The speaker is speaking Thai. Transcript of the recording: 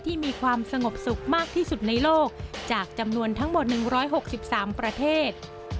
มีความสงบสุขมากที่สุดในโลกจากจำนวนทั้งหมด๑๖๓ประเทศ